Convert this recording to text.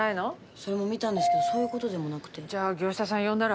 それも見たんですけどそういうことでもなくて。じゃあ業者さん呼んだら？